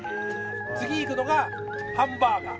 次行くのがハンバーガー。